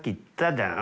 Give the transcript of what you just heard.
「じゃん」？